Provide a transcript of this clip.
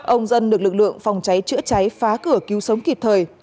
ông dân được lực lượng phòng cháy chữa cháy phá cửa cứu sống kịp thời